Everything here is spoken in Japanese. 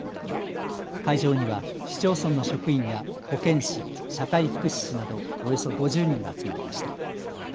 会場には市町村の職員や保健師、社会福祉士などおよそ５０人が集まりました。